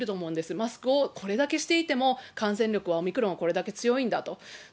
マスクをこれだけしていても、感染力はオミクロンはこれだけ強いんだと。